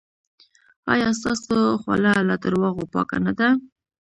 ایا ستاسو خوله له درواغو پاکه نه ده؟